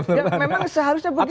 ya memang seharusnya begitu